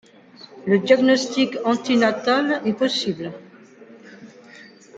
Le diagnostic anténatal est possible.